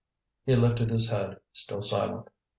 He lifted his head, still silent.